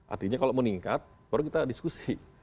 artinya kalau meningkat baru kita diskusi